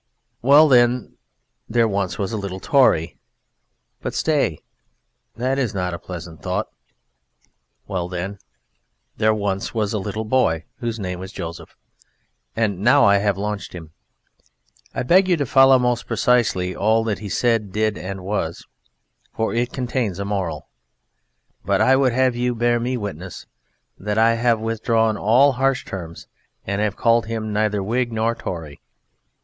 Well, then, there was once a little Tory. But stay; that is not a pleasant thought.... Well, then there was once a little boy whose name was Joseph, and now I have launched him, I beg you to follow most precisely all that he said, did and was, for it contains a moral. But I would have you bear me witness that I have withdrawn all harsh terms, and have called him neither Whig nor Tory.